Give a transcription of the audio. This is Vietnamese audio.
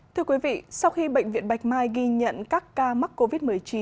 thưa quý vị sau khi bệnh viện bạch mai ghi nhận các ca mắc covid một mươi chín